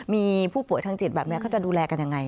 มีผู้ป่วยทางจิตแบบนี้เขาจะดูแลกันยังไง